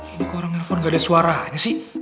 ini kok orang nelfon gak ada suaranya sih